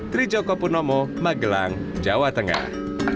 trijoko purnomo magelang jawa tengah